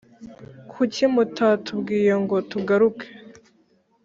Kuki mutatubwiye ngo tugaruke